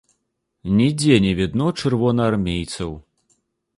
Нідзе не відно чырвонаармейцаў.